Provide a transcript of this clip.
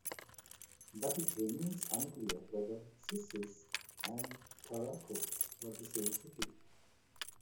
But it remains unclear whether "Cissis" and "Tarraco" were the same city.